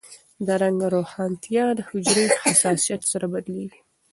د رنګ روښانتیا د حجرې حساسیت سره بدلېږي.